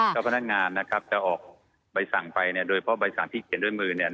เจ้าพนักงานจะออกใบสั่งไปโดยเพราะใบสั่งที่เขียนด้วยมือ